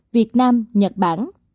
việt nam nhật bản